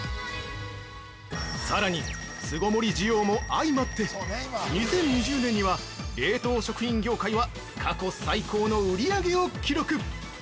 さらに、巣ごもり需要も相まって２０２０年には、冷凍食品業界は過去最高の売り上げを記録。